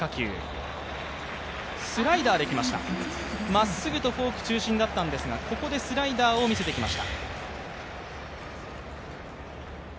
まっすぐとフォーク中心だったんですが、ここでスライダーを見せてきました。